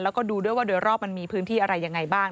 แล้วก็ดูด้วยว่าโดยรอบมันมีพื้นที่อะไรยังไงบ้าง